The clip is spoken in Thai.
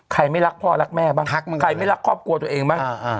ไม่รักพ่อรักแม่บ้างใครไม่รักครอบครัวตัวเองบ้าง